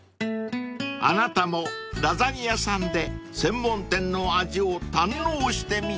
［あなたもラザニ屋さんで専門店の味を堪能してみては？］